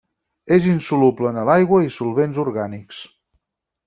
És insoluble en aigua i solvents orgànics.